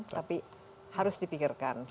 tapi harus dipikirkan